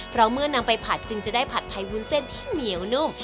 เพราะเมื่อนำไปผัดจึงจะได้ผัดไทยวุ้นเส้นที่เหนียวนุ่ม